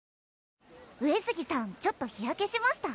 上杉さんちょっと日焼けしました？